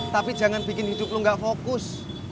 tapi jangan bikin hidup lo gak fokus